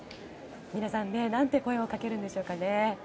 皆さん何て声をかけるんでしょうか。